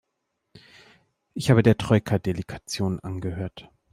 Ich habe der Troika-Delegation angehört.